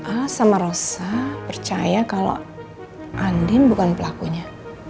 ah sama rosa percaya kalau andin bukan pelakunya